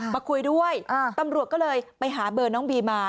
คุยด้วยตำรวจก็เลยไปหาเบอร์น้องบีมา